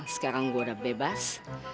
sekarang gue udah bebas